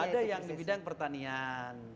ada yang di bidang pertanian